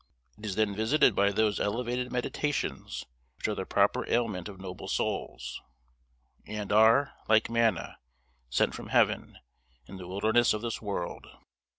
It is then visited by those elevated meditations which are the proper aliment of noble souls, and are, like manna, sent from heaven, in the wilderness of this world.